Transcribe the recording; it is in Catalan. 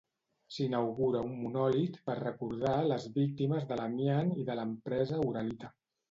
S'inaugura un monòlit per recordar les víctimes de l'amiant i de l'empresa Uralita.